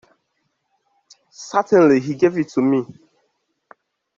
Certainly he gave it to me.